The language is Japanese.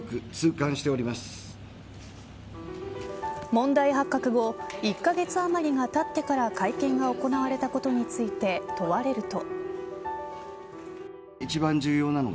問題発覚後１カ月余りがたってから会見が行われたことについて問われると。